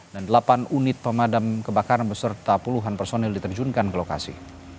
dan delapan unit pemadam kebakaran beserta puluhan personil diterjunkan ke lokasi